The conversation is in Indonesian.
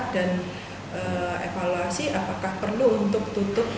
dan evaluasi apakah perlu untuk tutup